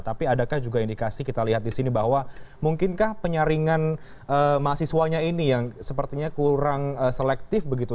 tapi adakah juga indikasi kita lihat di sini bahwa mungkinkah penyaringan mahasiswanya ini yang sepertinya kurang selektif begitu